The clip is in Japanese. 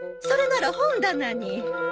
それなら本棚に。